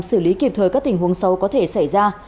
xử lý kịp thời các tình huống xấu có thể xảy ra